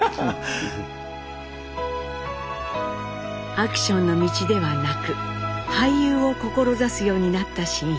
アクションの道ではなく俳優を志すようになった真一。